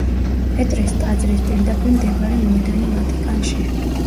პეტრეს ტაძრის პირდაპირ მდებარე მოედანი ვატიკანში.